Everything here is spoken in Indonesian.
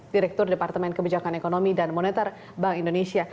direktur departemen kebijakan ekonomi dan moneter bank indonesia